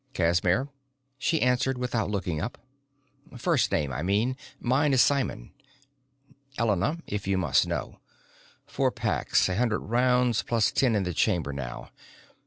"Casimir," she answered, without looking up. "First name, I mean. Mine is Simon." "Elena, if you must know. Four packs, a hundred rounds plus ten in the chamber now.